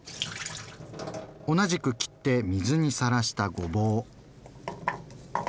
同じく切って水にさらしたごぼう。